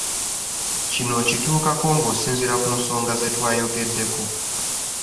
Kino okituukako ng'osinziira ku nsonga ze twayogeddeko.